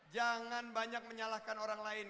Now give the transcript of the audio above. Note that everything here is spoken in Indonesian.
jangan banyak menyalahkan orang lain